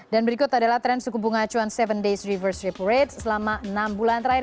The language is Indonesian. dan berikut adalah tren suku bunga acuan tujuh days reverse repo rate selama enam bulan terakhir